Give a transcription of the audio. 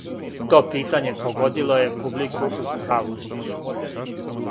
То питање погодило је публику у праву жицу.